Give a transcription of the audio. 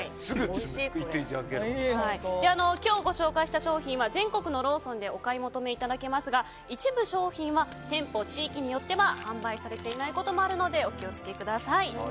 今日、ご紹介した商品は全国のローソンでお買い求めいただけますが一部商品は店舗、地域によっては販売されていないこともあるのでお気を付けください。